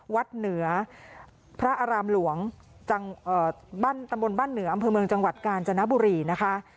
วัดเหนือพระอารามหลวงตำบลบ้านเหนืออำเภอเมืองจังหวัดกาญจนบุรีนะคะ